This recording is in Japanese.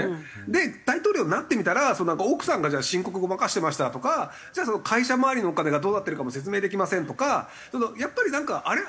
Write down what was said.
で大統領になってみたら奥さんがじゃあ申告ごまかしてましたとか会社まわりのお金がどうなってるかも説明できませんとかやっぱりなんかあれ？